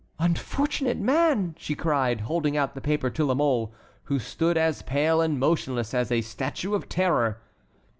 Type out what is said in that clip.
"Unfortunate man!" she cried, holding out the paper to La Mole, who stood as pale and motionless as a statue of Terror.